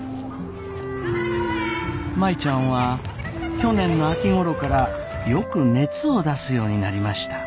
舞ちゃんは去年の秋ごろからよく熱を出すようになりました。